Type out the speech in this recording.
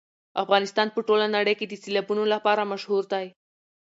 افغانستان په ټوله نړۍ کې د سیلابونو لپاره مشهور دی.